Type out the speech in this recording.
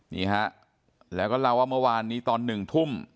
นี่ฮะแล้วก็เล่าว่าเมื่อวานนี้ตอน๑ทุ่ม